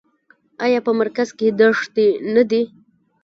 آیا په مرکز کې دښتې نه دي؟